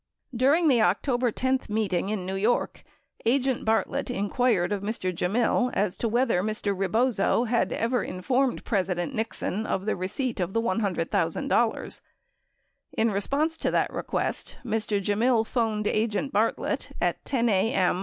During the October 10 meeting in New York, agent Bartlett inquired of Mr. Gemmill as to whether Mr. Rebozo had ever informed President Nixon of the receipt of the $100,000. In response to that request, Mr. Gemmill phoned agent Bartlett at 10 a.m.